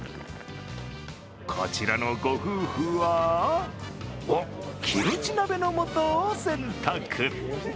こちらのご夫婦はおっ、キムチ鍋の素を選択。